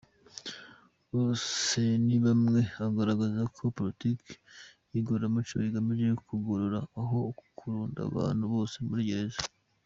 Bosenibamwe agaragaza ko Politiki y’igororamuco igamije kugorora, aho kurunda abantu bose muri gereza .